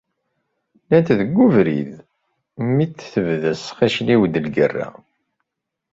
Llant deg ubrid mi d-tebda tesxicliw-d legerra.